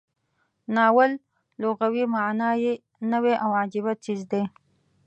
ناول لغوي معنا یې نوی او عجیبه څیز دی.